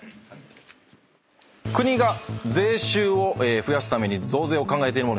国が税収を増やすために増税を考えているもの